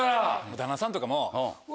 旦那さんとかも。